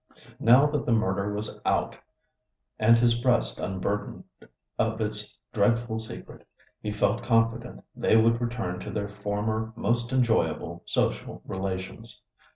Now that the murder was out, and his breast unburdened of its dreadful secret, he felt confident they would return to their former most enjoyable social relations.